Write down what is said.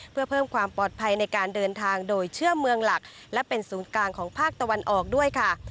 เพื่อเพิ่มความปลอดภัยในการเดินทางโดยเชื่อเมืองหลักและเป็นศูนย์กลางของภาคตะวันออกด้วยค่ะ